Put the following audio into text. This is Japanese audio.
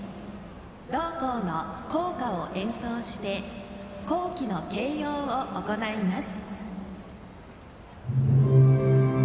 同校の校歌を演奏して校旗の掲揚を行います。